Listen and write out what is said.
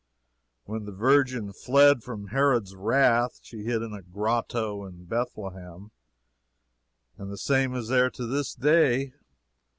When the Virgin fled from Herod's wrath, she hid in a grotto in Bethlehem, and the same is there to this day.